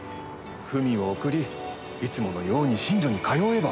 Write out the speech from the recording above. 文を送りいつものように寝所に通えば。